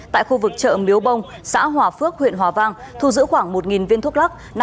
tại khu vực chợ miếu bông xã hòa phước huyện hòa vang thu giữ khoảng một viên thuốc lắc